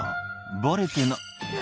「バレてな」